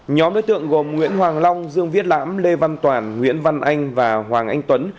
nhóm đối tượng gồm nguyễn hoàng long dương viết lãm lê văn toàn nguyễn văn anh và hoàng anh tuấn